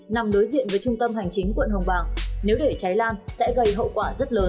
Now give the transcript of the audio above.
nằm đối diện với trung tâm hành chính quận hồng bàng nếu để cháy lan sẽ gây hậu quả rất lớn